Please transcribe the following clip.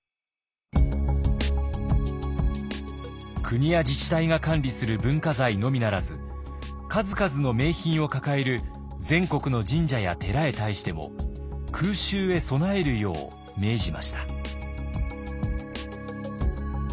国や自治体が管理する文化財のみならず数々の名品を抱える全国の神社や寺へ対しても空襲へ備えるよう命じました。